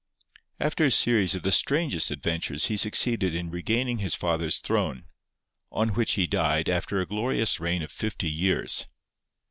After a series of the strangest adventures he succeeded in regaining his father's throne, on which he died after a glorious reign of fifty years.